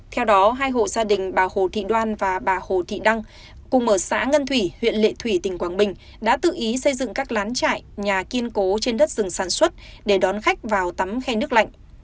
theo đó hai hộ gia đình bà hồ thị đoan và bà hồ thị đăng cùng ở xã ngân thủy huyện lệ thủy tỉnh quảng bình đã tự ý xây dựng các lán trại nhà kiên cố trên đất rừng sản xuất để đón khách vào tắm khe nước lạnh